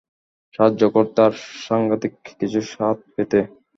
সাহায্য করতে, আর সাংঘাতিক কিছুর স্বাদ পেতে।